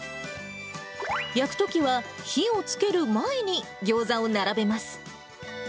焼くときは火をつける前にギョーザを並べます。